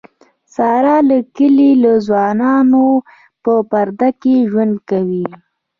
ساره له د کلي له ځوانانونه په پرده کې ژوند کوي.